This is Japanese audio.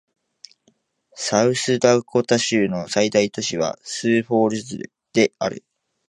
サウスダコタ州の最大都市はスーフォールズである